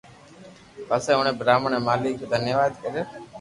پسي اوڻي براھمڻ اي مالڪ رو دھنيواد ڪريو